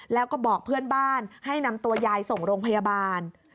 แล้วก็บอกเพื่อนบ้านให้นำตัวยายส่งโรงพยาบาล